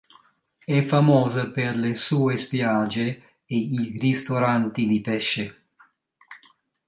È famosa per le sue spiagge e i ristoranti di pesce.